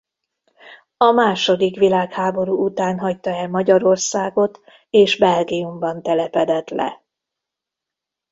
A második világháború után hagyta el Magyarországot és Belgiumban telepedett le.